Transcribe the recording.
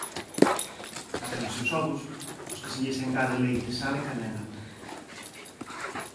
Bátense os ovos, aos que se lles engade leite, sal e canela